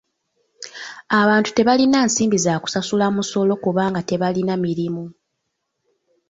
Abantu tebalina nsimbi za kusasula musolo kubanga tebalina mirimu.